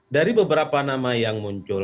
dari beberapa nama yang muncul